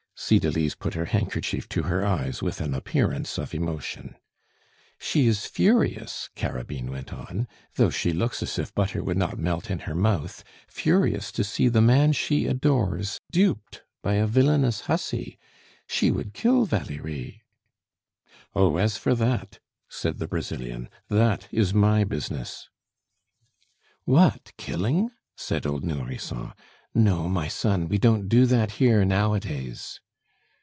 Cydalise put her handkerchief to her eyes with an appearance of emotion "She is furious," Carabine went on, "though she looks as if butter would not melt in her mouth, furious to see the man she adores duped by a villainous hussy; she would kill Valerie " "Oh, as for that," said the Brazilian, "that is my business!" "What, killing?" said old Nourrisson. "No, my son, we don't do that here nowadays."